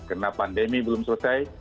karena pandemi belum selesai